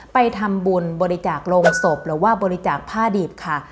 ไปทำบุญบริจาคโรงศพหรือว่าบริจาคผ้าดิบค่ะ